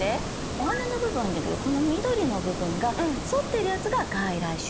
お花の部分はいいんだけどこの緑の部分が反っているやつが外来種。